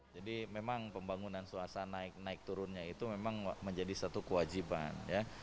jadi memang pembangunan suasana naik turunnya itu memang menjadi satu kewajiban